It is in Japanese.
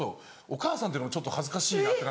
「お母さん」って言うのもちょっと恥ずかしいなって。